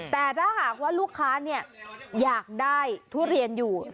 แต่ถ้าหากว่าลูกค้าอยากได้ทุเรียนอยู่